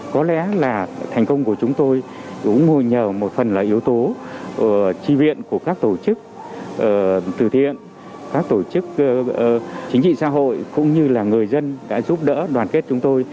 có lẽ là thành công của chúng tôi cũng ngồi nhờ một phần là yếu tố tri viện của các tổ chức từ thiện các tổ chức chính trị xã hội cũng như là người dân đã giúp đỡ đoàn kết chúng tôi